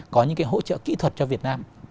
có những hỗ trợ kỹ thuật cho việt nam